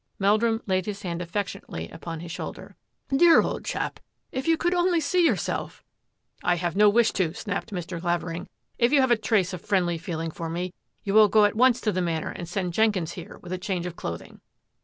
Meldrum laid his hand affectionately upon his shoulder. " Dear old chap, if you could only see your self —"" I have no wish to," snapped Mr. Clavering. " If you have a trace of friendly feeling for me, you will go at once to the Manor and send Jen kins here with a change of clothing."